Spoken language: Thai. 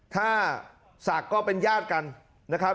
ถ้าศักดิ์ก็เป็นญาติกันนะครับ